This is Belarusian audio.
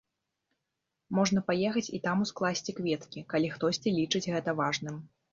Можна паехаць і там ускласці кветкі, калі хтосьці лічыць гэта важным.